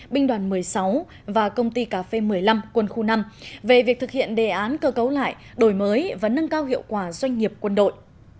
binh đoàn một mươi sáu và công ty cà phê một mươi năm quân khu năm về việc thực hiện đề án cơ cấu lại đổi mới và nâng cao hiệu quả doanh nghiệp quân đội